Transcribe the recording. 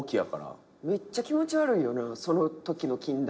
めっちゃ気持ち悪いよねそのときの近大。